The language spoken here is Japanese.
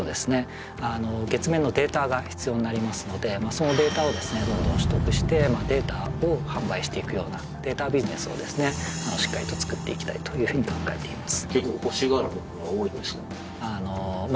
そのデータをですねどんどん取得してデータを販売していくようなデータビジネスをですねしっかりとつくっていきたいというふうに考えています